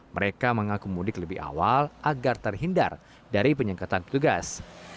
mereka mengaku mudik lebih awal agar terhindar dari penyekatan petugas